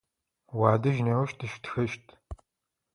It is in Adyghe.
Уадэжь неущ тыщытхэщт.